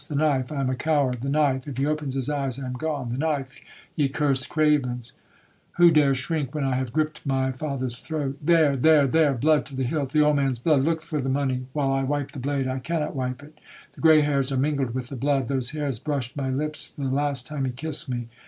The knife,—I am a coward; the knife,—if he opens his eyes I am gone; the knife, ye cursed cravens,—who dare shrink when I have griped my father's throat? There,—there,—there,—blood to the hilt,—the old man's blood; look for the money, while I wipe the blade. I cannot wipe it, the grey hairs are mingled with the blood,—those hairs brushed my lips the last time he kissed me.